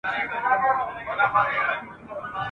مځکه هغه سوزي چي اور پر بل وي ..